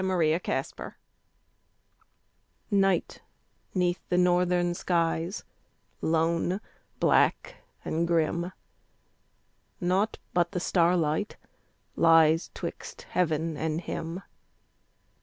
THE CAMPER Night 'neath the northern skies, lone, black, and grim: Naught but the starlight lies 'twixt heaven, and him.